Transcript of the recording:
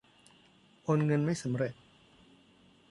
โอนเงินไม่สำเร็จ